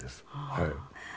はい。